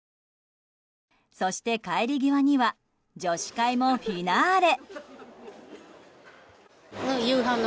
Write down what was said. そして帰り際には女子会もフィナーレ。